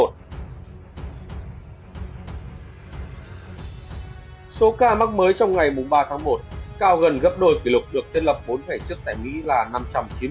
số ca mắc mới trong ngày ba tháng một cao gần gấp đôi kỷ lục được tiên lập bốn thẻ trước tại mỹ là năm trăm chín mươi